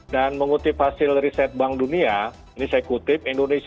dan mengutip hasil riset bank dunia ini saya kutip